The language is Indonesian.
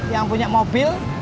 yang punya mobil